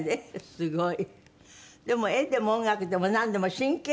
すごい。